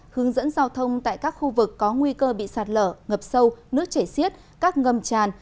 hướng dẫn giao thông tại các khu vực có nguy cơ bị sạt lở ngập sâu nước chảy xiết các ngầm tràn